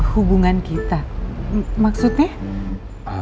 hubungan kita maksudnya